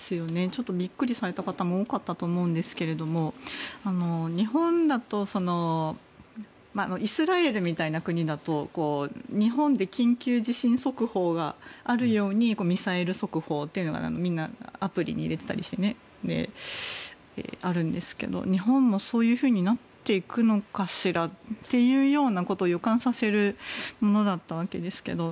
ちょっとびっくりされた方も多かったと思うんですが日本だとイスラエルみたいな国だと日本で緊急地震速報があるようにミサイル速報というのがみんなアプリに入れてたりしてあるんですけど日本もそういうふうになっていくのかしらっていうようなことを予感させるものだったわけですけど。